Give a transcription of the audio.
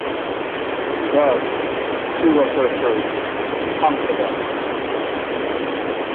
Thus, she was her first confidant.